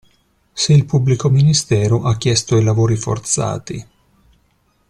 Se il pubblico ministero ha chiesto i lavori forzati.